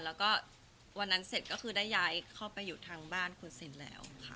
แล้วก็วันนั้นเสร็จก็คือได้ย้ายเข้าไปอยู่ทางบ้านคุณซินแล้วค่ะ